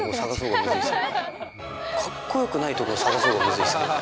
かっこよくないところを探すほうがむずいですね。